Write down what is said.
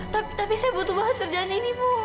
pak tapi saya butuh banget kerjaan ini ibu